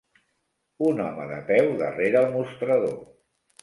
Un home de peu darrere el mostrador.